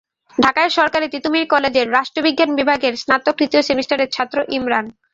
ঢাকায় সরকারি তিতুমীর কলেজের রাষ্ট্রবিজ্ঞান বিভাগের স্নাতক তৃতীয় সেমিস্টারের ছাত্র ইমরান।